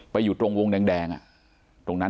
อยู่ตรงวงแดงตรงนั้น